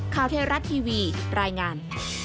ข้าวเทราะห์ทีวีรายงาน